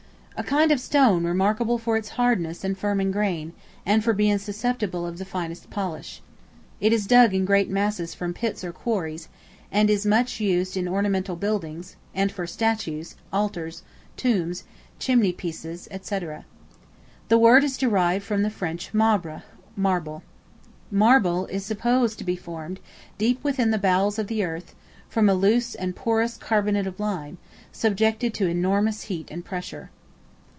A kind of stone remarkable for its hardness and firm grain, and for being susceptible of the finest polish. It is dug in great masses from pits or quarries; and is much used in ornamental buildings, and for statues, altars, tombs, chimney pieces, &c. The word is derived from the French marbre, marble. Marble is supposed to be formed, deep within the bowels of the earth, from a loose and porous carbonate of lime, subjected to enormous heat and pressure.